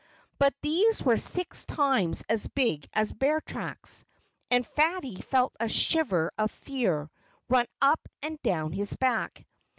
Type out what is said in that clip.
But these were six times as big as bear tracks. And Fatty felt a shiver of fear run up and down his back.